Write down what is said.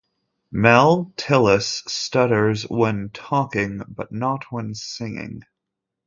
Mel Tillis stutters when talking but not when singing.